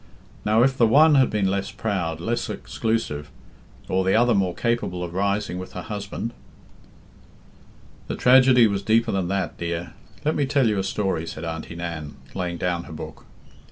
Now, if the one had been less proud, less exclusive, or the other more capable of rising with her husband " "The tragedy was deeper than that, dear; let me tell you a story," said Auntie Nan, laying down her book.